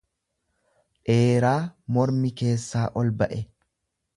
dheeraa mormi keessaa ol þa'e.